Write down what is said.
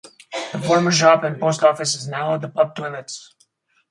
The former shop and post office is now the pub toilets.